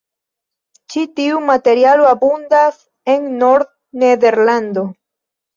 Ĉi tiu materialo abundas en Nord-Nederlando.